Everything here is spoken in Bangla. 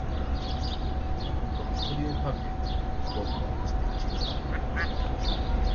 লক্ষণীয়ভাবে পোপ অনুপস্থিত ছিলেন।